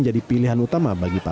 jadi ya gimana gitu rasanya